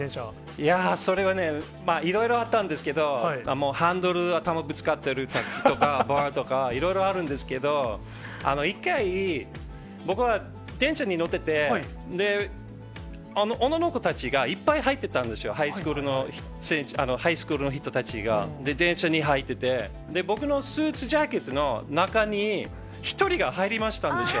いやー、それはね、いろいろあったんですけど、もうハンドル、頭ぶつかったとか、バーとか、いろいろあるんですけど、一回、僕は電車に乗ってて、女の子たちがいっぱい入ってたんですよ、ハイスクールの人たちが、電車に入ってて、僕のスーツジャケットの中に、１人が入りましたんですよ。